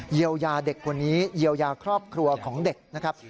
เยียวยาเด็กคนนี้เยียวยาครอบครัวของเด็กนะครับ